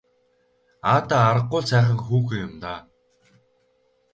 Аа даа аргагүй л сайхан хүүхэн юм даа.